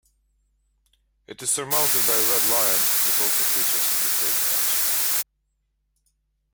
It is surmounted by a red lion that also features on the State badge.